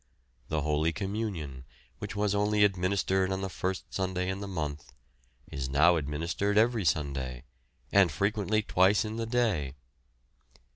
The Holy Communion, which was only administered on the first Sunday in the month, is now administered every Sunday, and frequently twice in the day.